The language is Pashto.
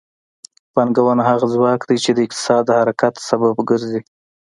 پانګونه هغه ځواک دی چې د اقتصاد د حرکت سبب ګرځي.